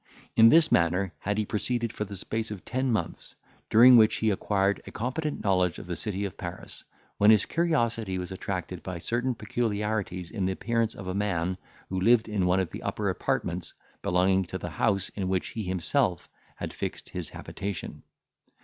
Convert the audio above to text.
In this manner had he proceeded for the space of ten months, during which he acquired a competent knowledge of the city of Paris, when his curiosity was attracted by certain peculiarities in the appearance of a man who lived in one of the upper apartments belonging to the house in which he himself had fixed his habitation.